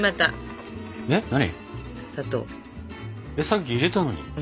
さっき入れたのに。